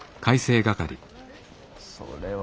それは。